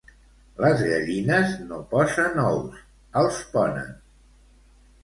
Les gallines no posen ous, els ponen